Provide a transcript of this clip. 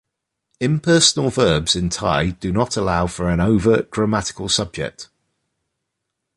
Impersonal verbs in Thai do not allow for an overt grammatical subject.